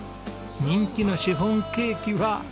人気のシフォンケーキはばぁばの味。